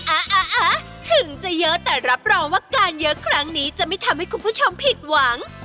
ถึงจะเยอะแต่รับรองว่าการเยอะครั้งนี้จะไม่ทำให้คุณผู้ชมผิดหวัง